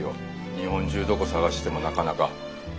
日本中どこ探してもなかなか。